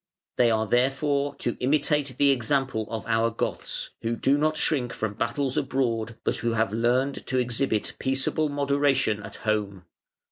They are therefore to imitate the example of "our Goths", who do not shrink from battles abroad, but who have learned to exhibit peaceable moderation at home.